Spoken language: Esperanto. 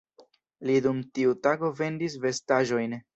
Li dum tiu tago vendis vestaĵojn.